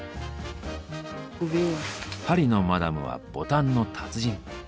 パリのマダムはボタンの達人。